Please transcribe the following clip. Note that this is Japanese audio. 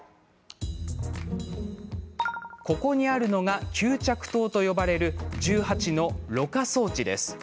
ここにあるのが吸着塔と呼ばれる１８の、ろ過装置です。